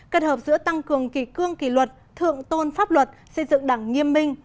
kết hợp giữa tăng cường kỳ cương kỳ luật thượng tôn pháp luật xây dựng đảng nghiêm minh